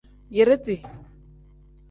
Yiriti.